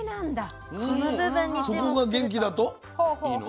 そこが元気だといいの？